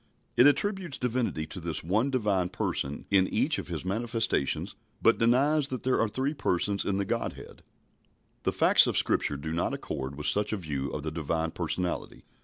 It attributes divinity to this One Divine Person in each of His manifestations, but denies that there are three Persons in the Godhead. The facts of Scripture do not accord with such a view of the Divine Personality.